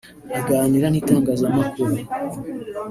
Aganira n’itangazamakuru